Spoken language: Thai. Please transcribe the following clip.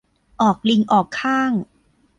ออกลิงออกค่าง